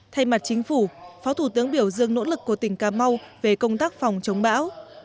thay mặt chính phủ phó thủ tướng biểu dương nỗ lực của tỉnh cà mau về công tác phòng chống bão